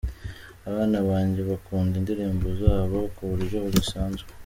Abana banjye bakunda indirimbo zabo ku buryo budasanzwe.